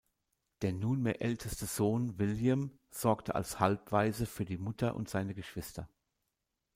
Der nunmehr älteste Sohn, William, sorgte als Halbwaise für die Mutter und seine Geschwister.